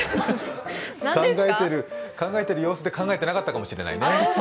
考えている様子で、考えてなかったかもしれないね。